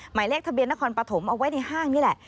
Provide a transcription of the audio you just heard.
หมายเลขทะเบียนนครปฐมเอาไว้ในห้างนี่แหละ